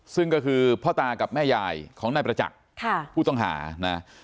ซึ่งก็คือพ่อตากับแม่ยายของนายประจักษ์ผู้ต้องหานะ